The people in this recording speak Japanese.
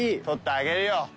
撮ってあげるよ